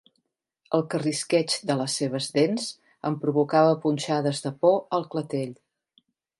El carrisqueig de les seves dents em provocava punxades de por al clatell.